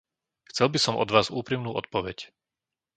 Chcel by som od vás úprimnú odpoveď.